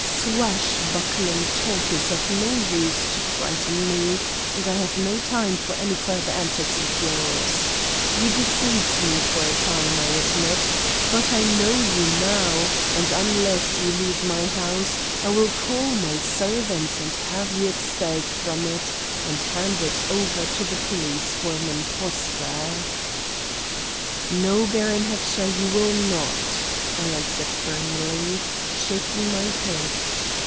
"Swashbuckling talk is of no use to frighten me, and I have no time for any further antics of yours. You deceived me for a time, I admit, but I know you now, and, unless you leave my house, I will call my servants, and have you expelled from it and handed over to the police for an impostor." "No, Baron Heckscher, you will not," I answered firmly, shaking my head.